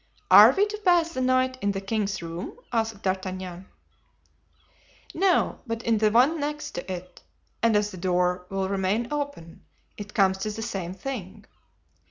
"Are we to pass the night in the king's room?" asked D'Artagnan. "No, but in the one next to it, and as the door will remain open it comes to the same thing.